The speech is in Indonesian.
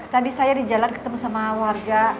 tadi saya di jalan ketemu sama warga